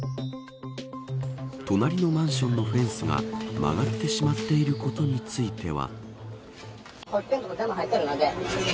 隣のマンションのフェンスが曲がってしまっていることについては。